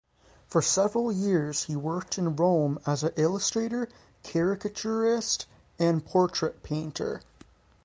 For several years he worked in Rome as an illustrator, caricaturist and portrait painter.